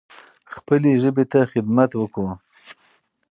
خپلې ژبې ته خدمت وکړو.